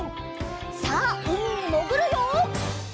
さあうみにもぐるよ！